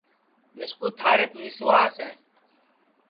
مِسکُو تیریپ وسواس ہے